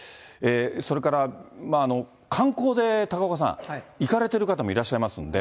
それから観光で高岡さん、行かれてる方もいらっしゃいますんで。